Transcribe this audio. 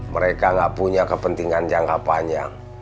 mereka nggak punya kepentingan jangka panjang